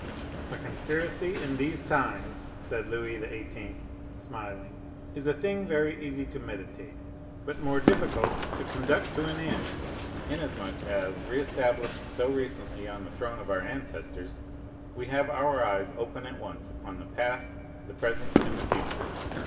"A conspiracy in these times," said Louis XVIII., smiling, "is a thing very easy to meditate, but more difficult to conduct to an end, inasmuch as, re established so recently on the throne of our ancestors, we have our eyes open at once upon the past, the present, and the future.